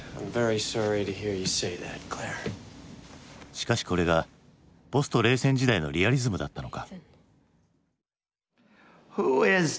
しかしこれがポスト冷戦時代のリアリズムだったのか。